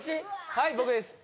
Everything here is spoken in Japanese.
はい僕です